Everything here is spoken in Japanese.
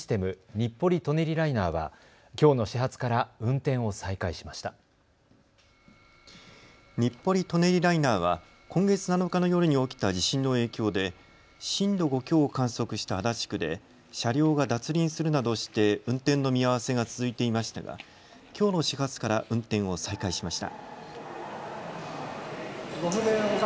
日暮里・舎人ライナーは今月７日の夜に起きた地震の影響で震度５強を観測した足立区で車両が脱輪するなどして運転の見合わせが続いていましたがきょうの始発から運転を再開しました。